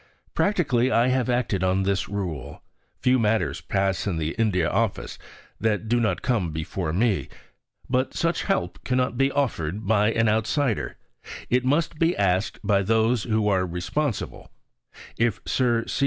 Practically I have acted on this rule. Few matters pass in the India Office that do not come before me. But such help cannot be offered by an outsider it must be asked by those who are responsible. If Sir C.